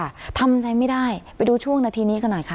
ทำใจไม่ได้ไปดูช่วงนาทีนี้กันหน่อยค่ะ